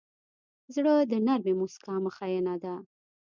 زړه د نرمې موسکا مخینه ده.